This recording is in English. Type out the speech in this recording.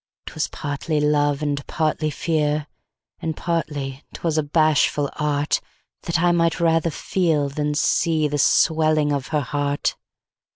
'Twas partly love, and partly fear. And partly 'twas a bashful artThat I might rather feel, than see, The swelling of her heart.